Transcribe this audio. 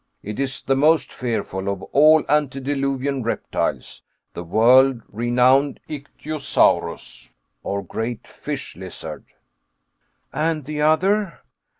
It is the most fearful of all antediluvian reptiles, the world renowned Ichthyosaurus or great fish lizard." "And the other?"